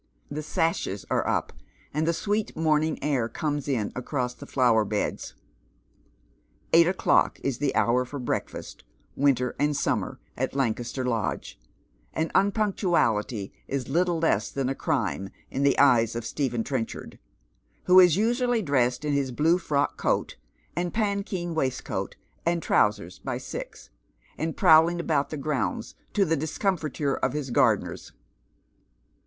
The sashes are up, and the sweet morning air comes in across the flower beds. Eight o'clock is the hour for breakfast, winter and summer, at Lancaster Lodge, and unpunctuality is httle less than a crime in the eyes of Stephen Trenchard, who is usually dressed in his blue frock coat and nankeen waistcoat and trousers by six, and prowling about the grounds to the discomfiture of his gar deners.